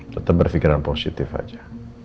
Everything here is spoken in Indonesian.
tetep berpikiran positif aja